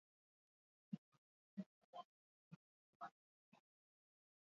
Ekoizpen nagusiak nekazaritza gaiak dira: garia, ekilorea, kotoia eta tea.